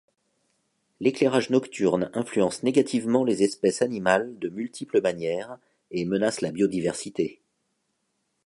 L'éclairage nocturne influence négativement les espèces animales de multiples manières et menace la biodiversité.